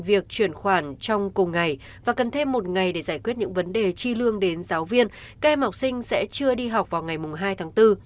việc chuyển khoản trong cùng ngày và cần thêm một ngày để giải quyết những vấn đề chi lương đến giáo viên các em học sinh sẽ chưa đi học vào ngày hai tháng bốn